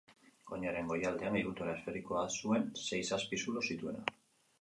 Oinaren goialdean egitura esferikoa zuen sei-zazpi zulo zituena.